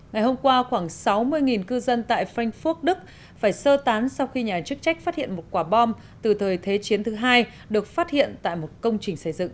ngày hôm qua khoảng sáu mươi cư dân tại frankfurt đức phải sơ tán sau khi nhà chức trách phát hiện một quả bom từ thời thế chiến thứ hai được phát hiện tại một công trình xây dựng